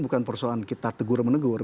bukan persoalan kita tegur menegur